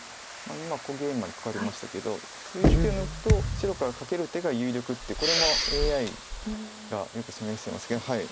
今小ゲイマにカカりましたけど続いて手を抜くと白からカケる手が有力ってこれもＡＩがよく示してますけど。